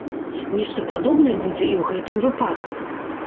Нешта падобнае будзе і ў гэтым выпадку.